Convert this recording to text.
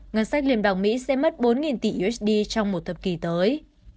ngân sách liên bang mỹ sẽ mất bốn tỷ usd trong một thập kỷ tới